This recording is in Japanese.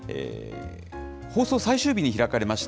放送最終日に開かれました